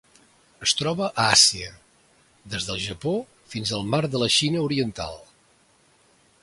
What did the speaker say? Es troba a Àsia: des del Japó fins al Mar de la Xina Oriental.